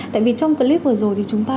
tại vì trong clip vừa rồi thì chúng ta